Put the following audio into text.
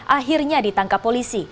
akhirnya ditangkap polisi